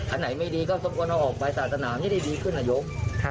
อันไหนไม่ดีก็ทบกวนเอาออกไปสาธารยามให้ดีขึ้นฮะโยม